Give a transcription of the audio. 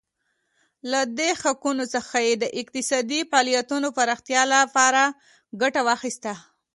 له دې حقونو څخه یې د اقتصادي فعالیتونو پراختیا لپاره ګټه واخیسته.